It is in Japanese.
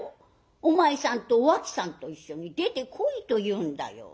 お前さんとお秋さんと一緒に出てこいというんだよ。